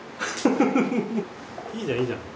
いいじゃんいいじゃん。